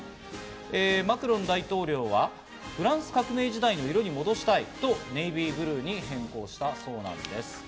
マクロン大統領はフランス革命時代の色に戻したいとネイビーブルーに変更したそうなんです。